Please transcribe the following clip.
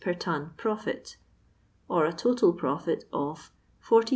per ton profit, or a total profit of 48,758